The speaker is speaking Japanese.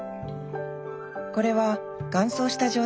これは乾燥した状態です。